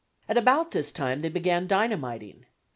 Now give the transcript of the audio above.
At about this time they began dynamiting.